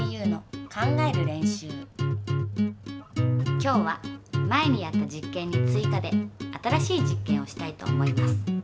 今日は前にやった実験に追加で新しい実験をしたいと思います。